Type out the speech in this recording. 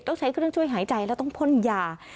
ต้องใช้เครื่องช่วยหายใจแล้วต้องพ่นยา